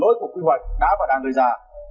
lỗi của quy hoạch đã và đang đưa ra